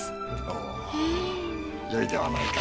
おおよいではないか。